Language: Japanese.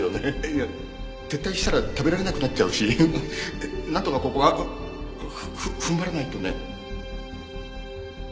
いや撤退したら食べられなくなっちゃうしなんとかここはふ踏ん張らないとね。